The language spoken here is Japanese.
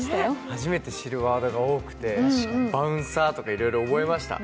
初めて知るワードが多くてバウンサーとかいろいろ覚えました。